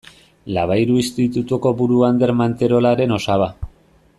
Labayru Institutuko buru Ander Manterolaren osaba.